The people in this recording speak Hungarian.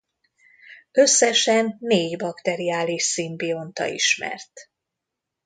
Összesen négy bakteriális szimbionta ismert.